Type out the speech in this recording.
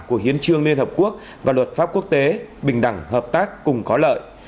của hiến trương liên hợp quốc và luật pháp quốc tế bình đẳng hợp tác cùng có lợi